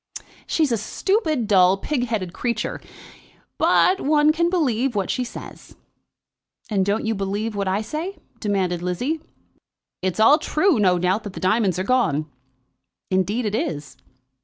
"She's a stupid, dull, pig headed creature; but one can believe what she says." "And don't you believe what I say?" demanded Lizzie. "It's all true, no doubt, that the diamonds are gone." "Indeed it is."